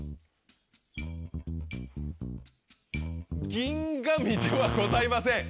銀紙ではございません。